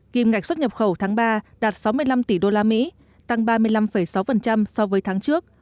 kim ngạch xuất nhập khẩu tháng ba đạt sáu mươi năm tỷ usd tăng ba mươi năm sáu so với tháng trước